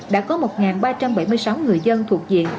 đã có một ba trăm bảy mươi sáu người dân thuộc diện